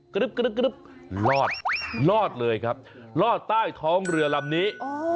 กระดึ๊บกระดึ๊บกระดึ๊บรอดรอดเลยครับรอดใต้ท้องเรือลำนี้